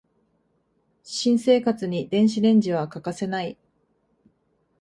新生活に電子レンジは欠かせない